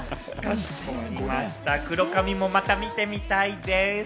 黒髪もまた見てみたいです。